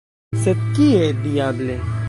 Sed kie, diable!